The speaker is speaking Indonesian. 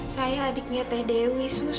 saya adiknya teh dewi susi